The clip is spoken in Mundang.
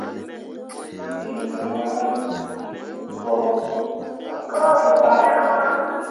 Ɗii wũũ ko pu aa.